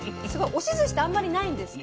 押しずしってあんまりないんですか？